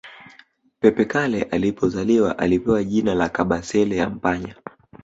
Pepe Kalle alipozaliwa alipewa jina la Kabasele Yampanya